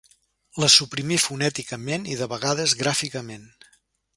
La suprimí fonèticament i de vegades gràficament.